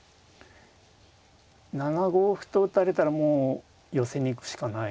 ７五歩と打たれたらもう寄せに行くしかない感じですね。